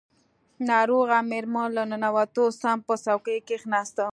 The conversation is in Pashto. ناروغه مېرمن له ننوتو سم په څوکۍ کښېناسته.